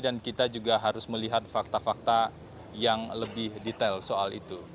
dan kita juga harus melihat fakta fakta yang lebih detail soal itu